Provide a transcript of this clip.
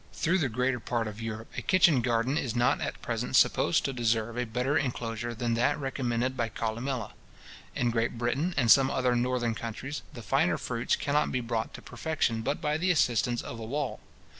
Through the greater part of Europe, a kitchen garden is not at present supposed to deserve a better inclosure than that recommended by Columella. In Great Britain, and some other northern countries, the finer fruits cannot be brought to perfection but by the assistance of a wall.